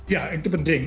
ya itu penting